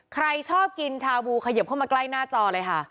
ใครชอบกินชาบูเขยิบเข้ามาใกล้หน้าจอเลยค่ะ